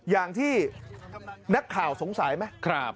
อย่างที่นักข่าวสงสัยไหม